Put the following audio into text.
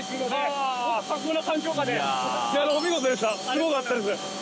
すごかったです。